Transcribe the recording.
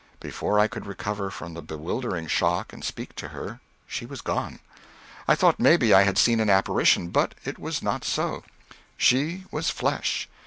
Before I could recover from the bewildering shock and speak to her she was gone. I thought maybe I had seen an apparition, but it was not so, she was flesh.